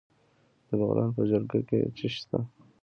د بغلان په جلګه کې څه شی شته؟